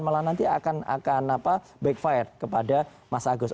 malah nanti akan backfire kepada mas agus